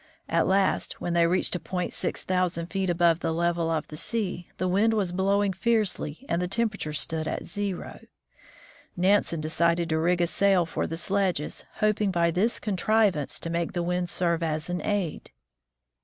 At last, when they reached a point six thousand feet above the level of the sea, the wind was blowing fiercely and the tem perature stood at zero. Sledging across Greenland. Nansen decided to rig a sail for the sledges, hoping by this contrivance to make the wind serve as an aid.